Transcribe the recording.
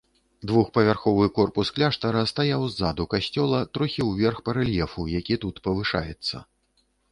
Двухпавярховы корпус кляштара стаяў ззаду касцёла, трохі ўверх па рэльефу, які тут павышаецца.